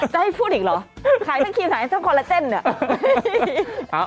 จะให้พูดอีกหรอใครถ้าขี่สาวน่าใสช่วงคนละเจ้นเนี่ย